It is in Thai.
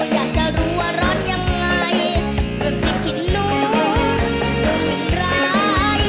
อยากจะรู้ว่าร้อนยังไงเหมือนพริกขี้นู้โดยยิ่งร้าย